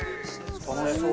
楽しそう。